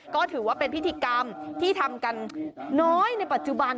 ก็ถือว่าเป็นพิธีกรรมที่ทำกันน้อยในปัจจุบัน